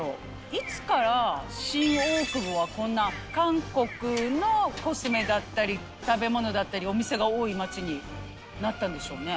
いつから新大久保はこんな韓国のコスメだったり食べ物だったりお店が多い街になったんでしょうね？